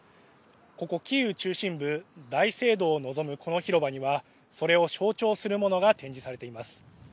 ここ、キーウ中心部大聖堂を望む広場にはそれを象徴するものが展示されています。